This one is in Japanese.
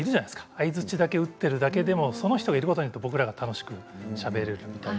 相づちだけを打っているだけでもその人がいることで僕らが楽しくしゃべれるみたいな。